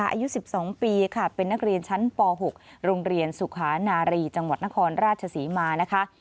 อายุ๑๒ปีค่ะเป็นนักเรียนชั้นป๖โรงเรียนสุขานารีจังหวัดนครราชศรีมานะคะ